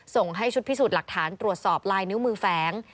ส่งให้ชุดพิสูจน์หลักฐานตรวจสอบลายนิ้วมือแฝง